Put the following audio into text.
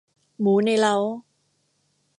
หมูในเล้า